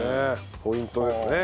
ポイントですね。